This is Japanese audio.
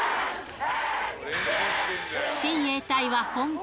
親衛隊は本気。